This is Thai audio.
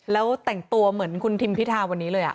แล้วแต่งตัวเหมือนคุณทิมพิธาวันนี้เลย